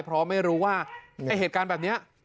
เพราะไม่รู้ว่าไอ้เหตุการณ์แบบนี้